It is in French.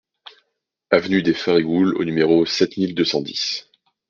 Avenue des Farigoules au numéro sept mille deux cent dix